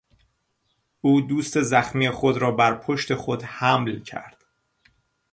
او دوست زخمی خود را بر پشت خود حمل کرد.